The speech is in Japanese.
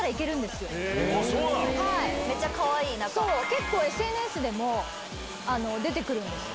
結構ＳＮＳでも出てくるんです。